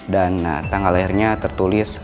dan tanggal lahirnya tertulis